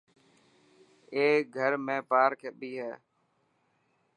اي گھر ۾ پارڪ به هي.